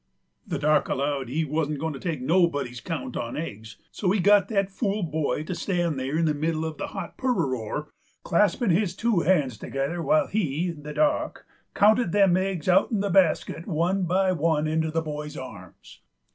The Dock allowed that he wuzn't goin' to take nobody's count on eggs; so he got that fool boy to stan' there in the middle uv that hot peraroor, claspin' his two hands together, while he, the Dock, counted them eggs out'n the basket one by one into the boy's arms.